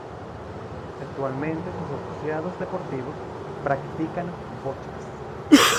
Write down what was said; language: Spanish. Actualmente sus asociados deportivos practican bochas.